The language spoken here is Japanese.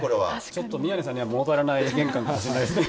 ちょっと宮根さんには物足りない玄関かもしれないですね。